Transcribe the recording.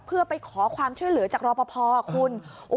เพื่อไปขอความช่วยเหลือจากรอปภคุณ